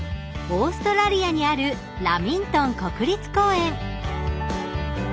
オーストラリアにあるラミントン国立公園